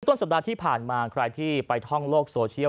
ต้นสัปดาห์ที่ผ่านมาใครที่ไปท่องโลกโซเชียล